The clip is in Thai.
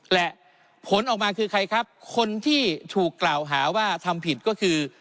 และผลออกมาคือใครครับคนที่ถูกกล่าวหาว่าทำผิดก็คือ